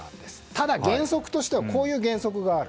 ただ、原則としてはこういう原則がある。